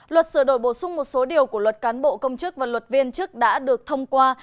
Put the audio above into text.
luật sửa đổi bổ sung một số điều của luật cán bộ công chức và luật viên chức đã được thông qua